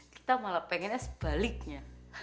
kita malah pengennya sebaliknya